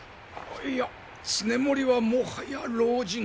いや経盛はもはや老人。